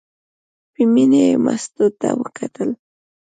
په مینه یې مستو ته وکتل.